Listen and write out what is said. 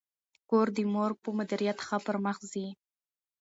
کور د مور په مدیریت ښه پرمخ ځي.